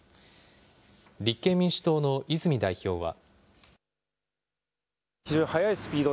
立憲民主党の泉代表は。